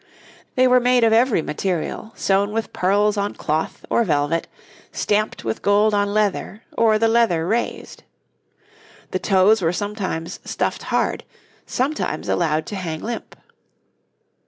They were made of every material, sewn with pearls on cloth or velvet, stamped with gold on leather, or the leather raised. The toes were sometimes stuffed hard, sometimes allowed to hang limp.